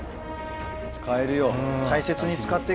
使えるよ。